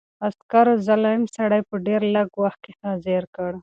عسکرو ظالم سړی په ډېر لږ وخت کې حاضر کړ.